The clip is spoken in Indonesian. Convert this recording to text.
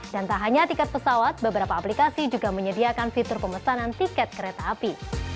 dan tak hanya tiket pesawat beberapa aplikasi juga menyediakan fitur pemesanan tiket kereta api